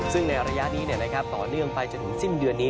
ซึ่งในระยะนี้ต่อเนื่องไปจนถึงสิ้นเดือนนี้